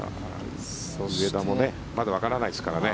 上田もまだわからないですからね。